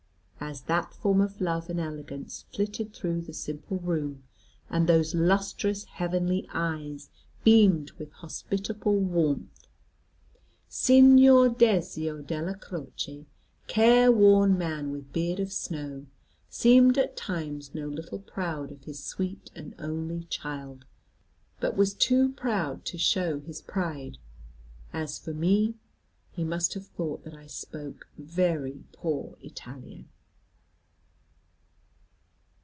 As that form of love and elegance flitted through the simple room, and those lustrous heavenly eyes beamed with hospitable warmth, Signor Dezio Della Croce, careworn man with beard of snow, seemed at times no little proud of his sweet and only child, but was too proud to show his pride. As for me, he must have thought that I spoke very poor Italian.